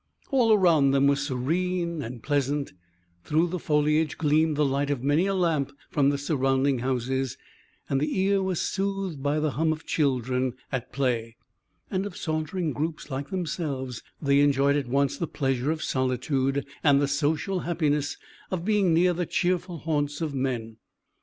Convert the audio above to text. All around them was serene and pleasant; through the foliage gleamed the light of many a lamp from the surrounding houses; and the ear was soothed by the hum of children at play, and of sauntering groups like themselves; they enjoyed at once the pleasure of solitude, and the social happiness of being near the cheerful haunts of men.